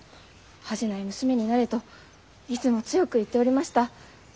恥じない娘になれ」といつも強く言っておりました。